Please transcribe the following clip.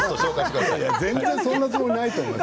全然そんなつもりないと思うよ。